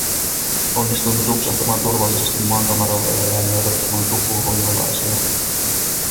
Onnistuimme tupsahtamaan turvallisesti maankamaralle ja jäimme odottamaan tupuhojolaisia.